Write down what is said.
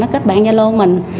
nó kết bạn zalo mình